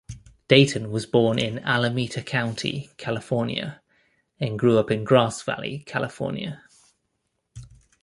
Dayton was born in Alameda County, California and grew up in Grass Valley, California.